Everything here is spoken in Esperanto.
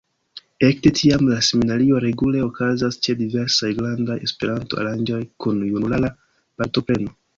Ekde tiam la seminario regule okazas ĉe diversaj grandaj Esperanto-aranĝoj kun junulara partopreno.